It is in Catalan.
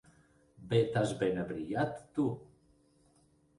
Bé t'has ben abrigat, tu!